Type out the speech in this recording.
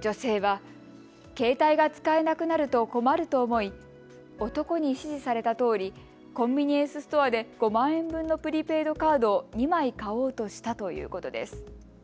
女性は携帯が使えなくなると困ると思い男に指示されたとおりコンビニエンスストアで５万円分のプリペイドカードを２枚買おうとしたということです。